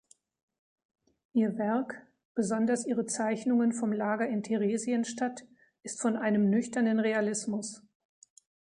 Ihr Werk, besonders ihre Zeichnungen vom Lager in Theresienstadt, ist von einem nüchternen Realismus.